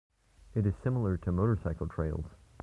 It is similar to motorcycle trials.